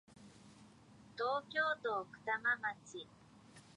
東京都奥多摩町